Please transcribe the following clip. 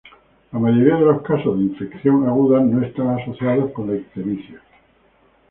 La mayoría de los casos de infección aguda no están asociados con la ictericia.